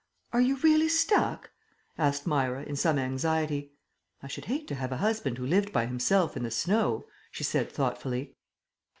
"Are you really stuck?" asked Myra in some anxiety. "I should hate to have a husband who lived by himself in the snow," she said thoughtfully.